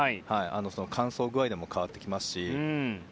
その乾燥具合でも変わってきますし。